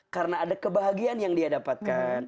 karena ada kebahagiaan yang dia dapatkan